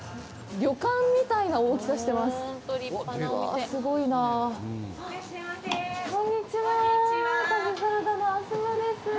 旅館みたいな大きさをしてます！